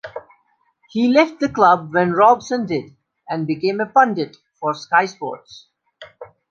He left the club when Robson did, and became a pundit for Sky Sports.